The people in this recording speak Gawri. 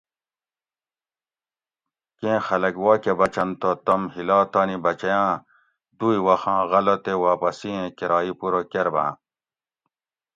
کیں خلک واکٞہ بچنت تہ توم ہِلا تانی بچیاٞں دوئ وخاں غلہ تے واپسی ایں کرائ پورہ کرباٞں